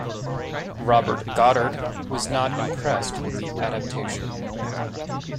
Robert Goddard was not impressed with the adaptation.